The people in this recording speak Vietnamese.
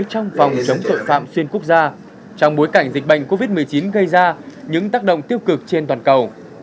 trong phòng chống tội phạm xuyên quốc gia trong bối cảnh dịch bệnh covid một mươi chín gây ra những tác động tiêu cực trên toàn cầu